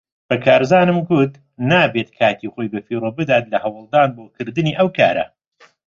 بە کارزانم گوت نابێت کاتی خۆی بەفیڕۆ بدات لە هەوڵدان بۆ کردنی ئەو کارە.